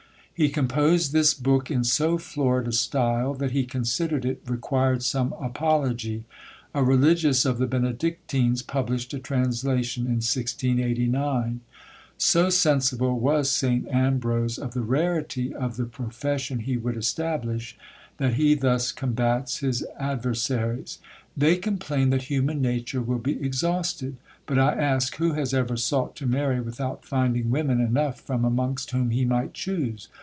He composed this book in so florid a style, that he considered it required some apology. A Religious of the Benedictines published a translation in 1689. So sensible was St. Ambrose of the rarity of the profession he would establish, that he thus combats his adversaries: "They complain that human nature will be exhausted; but I ask, who has ever sought to marry without finding women enough from amongst whom he might choose?